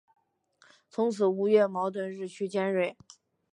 从此吴越矛盾日趋尖锐。